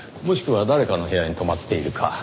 もしくは誰かの部屋に泊まっているか。